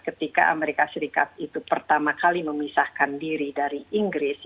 ketika amerika serikat itu pertama kali memisahkan diri dari inggris